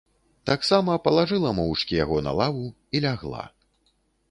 Таксама палажыла моўчкі яго на лаву і лягла.